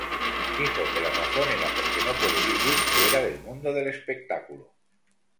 Dijo que la razón era porque no puede vivir fuera del mundo del espectáculo.